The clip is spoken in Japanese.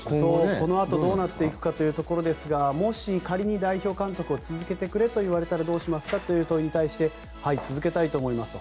このあとどうなるかですがもし仮に代表監督を続けてくれと言われたらどうしますかという問いに対してはい、続けたいと思いますと。